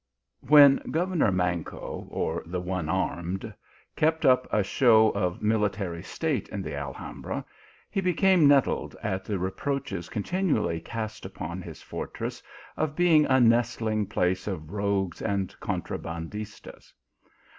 WHEN governor Manco, or the one armed, kepT" up a show of military state in the Alhambra, he became nettled at the reproaches continually cast upon his fortress of being a nestling place of rogues and contrabandistas.